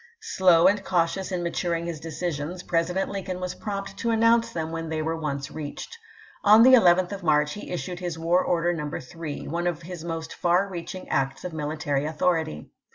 Slow and cautious in maturing his decisions. President Lincoln was Lincoln, prompt to announce them when they were once mSu, reached. On the 11th of March he issued his War ^^foi. x".f * Order No. 3, one of his most far reaching acts of pp/28, 29. military authority.